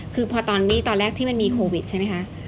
คือพอตอนนี้ตอนแรกที่มันมีโควิดใช่ไหมคะ